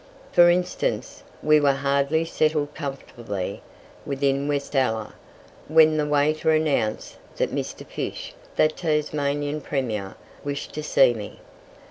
For instance, we were hardly settled comfortably within Westella, when the waiter announced that. Mr. Fysh, the Tasmanian Premier, wished to see me.